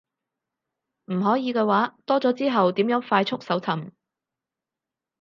唔可以嘅話，多咗之後點樣快速搜尋